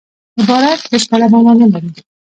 عبارت بشپړه مانا نه لري.